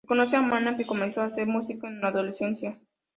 Se conoce de Mana, que comenzó a hacer música en la adolescencia.